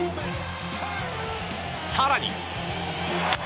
更に。